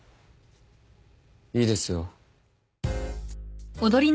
いいですよ。